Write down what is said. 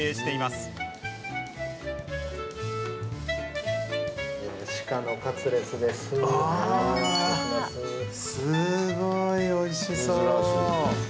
すーごい、おいしそう。